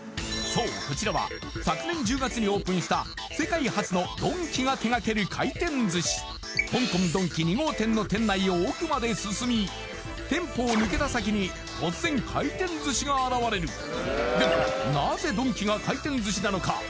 そうこちらは昨年１０月にオープンした世界初のドンキが手がける回転寿司香港ドンキ２号店の店内を奥まで進み店舗を抜けた先に突然回転寿司が現れるでもなぜドンキが回転寿司なのか？